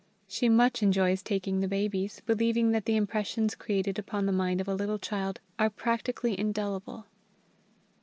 She much enjoys taking the babies, believing that the impressions created upon the mind of a little child are practically indelible.